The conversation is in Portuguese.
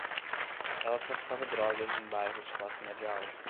Ela traficava drogas em bairros de classe média alta